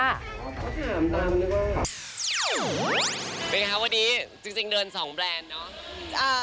เป็นไงคะวันนี้จริงเดิน๒แบรนด์เนอะ